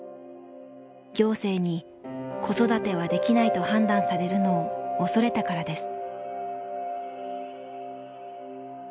行政に子育てはできないと判断されるのを恐れたからです。